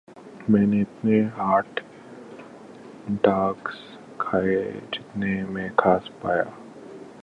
میں نے اتنے ہاٹ ڈاگز کھائیں جتنے میں کھا پایا